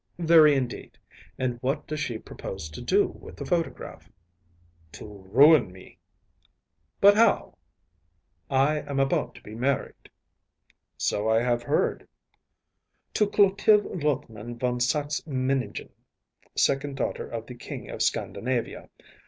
“Very, indeed. And what does she propose to do with the photograph?‚ÄĚ “To ruin me.‚ÄĚ “But how?‚ÄĚ “I am about to be married.‚ÄĚ “So I have heard.‚ÄĚ “To Clotilde Lothman von Saxe Meningen, second daughter of the King of Scandinavia.